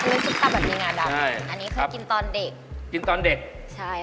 อันนี้จุ๊บตับแบบมีงาดำ